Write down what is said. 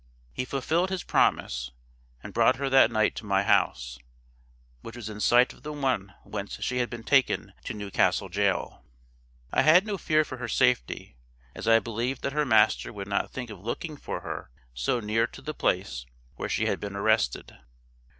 He fulfilled his promise, and brought her that night to my house, which was in sight of the one whence she had been taken to New Castle Jail. I had no fear for her safety, as I believed that her master would not think of looking for her so near to the place where she had been arrested.